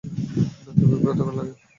নাকি বিব্রতকর লাগে?